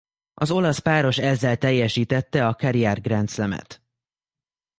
Az olasz páros ezzel teljesítette a karrier Grand Slamet.